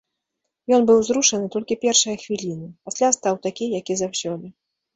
Ён быў узрушаны толькі першыя хвіліны, пасля стаў такі, як і заўсёды.